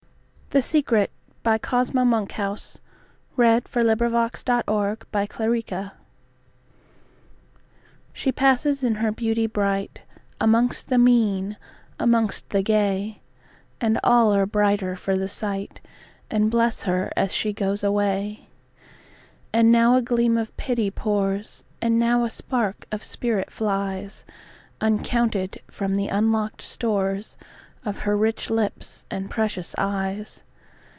Victorian Anthology, 1837–1895. 1895. Cosmo Monkhouse b. 1840 The Secret SHE passes in her beauty brightAmongst the mean, amongst the gay, And all are brighter for the sight, And bless her as she goes her way. And now a gleam of pity pours, And now a spark of spirit flies, Uncounted, from the unlock'd storesOf her rich lips and precious eyes.